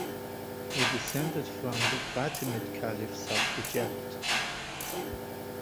He descended from the Fatimid caliphs of Egypt.